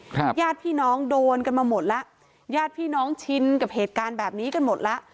ญาติพี่น้องโดนกันมาหมดแล้วญาติพี่น้องชินกับเหตุการณ์แบบนี้กันหมดแล้ว